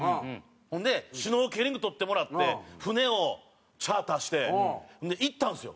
ほんでシュノーケリング取ってもらって船をチャーターして行ったんですよ